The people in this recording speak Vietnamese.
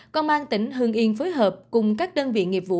con mang tỉnh hương yên phối hợp cùng các đơn vị nghiệp vụ